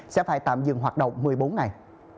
sẽ phải tạm dừng hoạt động một mươi bốn ngày